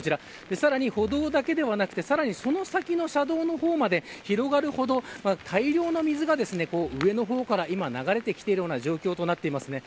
さらに歩道だけではなくてその先の車道の方まで広がるほど、大量の水が上の方から今、流れてきているような状況となっています。